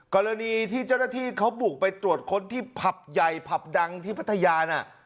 กรณีที่เจ้าหน้าที่เขาบุกไปตรวจค้นที่ผับใหญ่ผับดังที่พัทยาน่ะ